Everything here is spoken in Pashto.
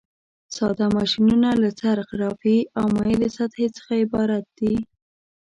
ساده ماشینونه له څرخ، رافعې او مایلې سطحې څخه عبارت دي.